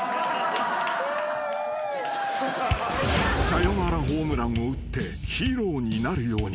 ［サヨナラホームランを打ってヒーローになるように］